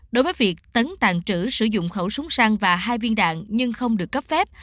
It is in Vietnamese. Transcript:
đối với việc tấn tàn trữ sử dụng khẩu súng săn và hai viên đạn nhưng không được cấp phép